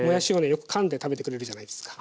よくかんで食べてくれるじゃないですか。